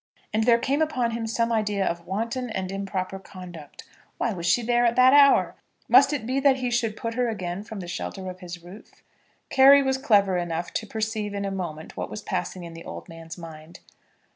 And there came upon him some idea of wanton and improper conduct. Why was she there at that hour? Must it be that he should put her again from the shelter of his roof? Carry was clever enough to perceive in a moment what was passing in the old man's mind.